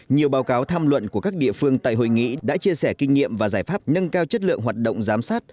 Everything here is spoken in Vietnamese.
nhiều báo cáo tham luận của các địa phương tại hội nghị đã chia sẻ kinh nghiệm và giải pháp nâng cao chất lượng hoạt động giám sát